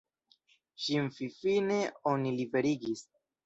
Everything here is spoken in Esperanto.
Ŝin finfine oni liberigis.